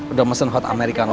udah pesen hot americano tadi